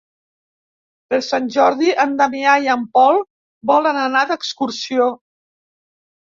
Per Sant Jordi en Damià i en Pol volen anar d'excursió.